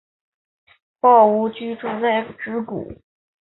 抱嶷居住在直谷。